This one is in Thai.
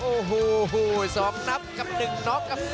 โอ้โหสองนับกับหนึ่งน็อกครับ